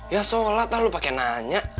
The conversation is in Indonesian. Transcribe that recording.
ya sholat lah lu pakai nanya